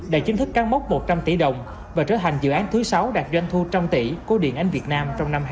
đã chính thức căn mốc một trăm linh tỷ đồng và trở thành dự án thứ sáu đạt doanh thu một trăm linh tỷ của điện ảnh việt nam trong năm hai nghìn hai mươi ba